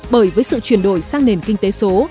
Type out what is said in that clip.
bởi với sự chuyển đổi sang nền kinh tế số